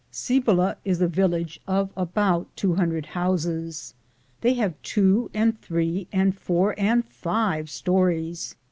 Cibola is a village of about 200 houses. They have two and three and four and five stories.